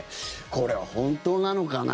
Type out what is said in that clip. これは本当なのかな？